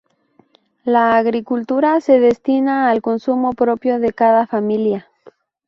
La agricultura se destina al consumo propio de cada familia.